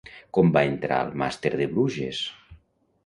Com va entrar al màster de Bruges?